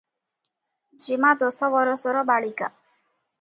ଯେମା ଦଶ ବରଷର ବାଳିକା ।